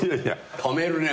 ためるね。